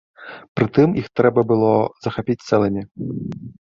Прытым, іх трэба было захапіць цэлымі.